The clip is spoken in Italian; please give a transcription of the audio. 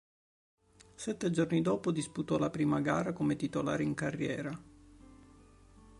Sette giorni dopo disputò la prima gara come titolare in carriera.